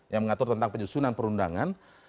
yang mengatur tentang penyusunan perundangan